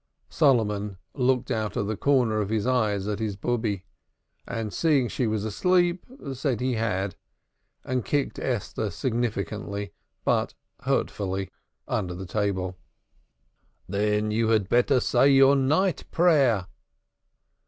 Solomon looked out of the corner of his eyes at his Bube, and, seeing she was asleep on the bed, said he had, and kicked Esther significantly but hurtfully under the table. "Then you had better say your night prayer."